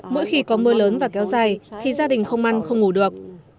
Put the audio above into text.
mỗi khi có mưa lớn và kéo dài thì gia đình không ăn không ngủ được